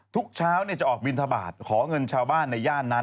ทุกเช้าจะออกบินทบาทขอเงินชาวบ้านในย่านนั้น